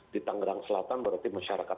di tangerang selatan berarti masyarakat